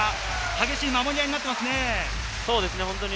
激しい守り合いになっていますね。